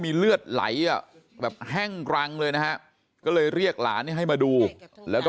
มีเลือดไหลแห้งรังเลยนะฮะก็เลยเรียกหลานให้มาดูแล้ว